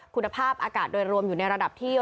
คุณภาพอากาศโดยรวมอยู่ในระดับที่